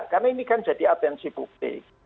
karena ini kan jadi atensi bukti